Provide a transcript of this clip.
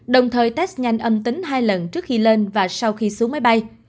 đồng thời test nhanh âm tính hai lần trước khi lên và sau khi xuống máy bay